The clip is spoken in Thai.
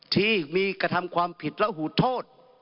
ที่มีกระทำความผิดและหูโทษ